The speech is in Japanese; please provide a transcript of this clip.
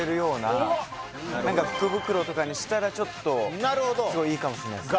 何か福袋とかにしたらちょっとなるほどすごいいいかもしれないです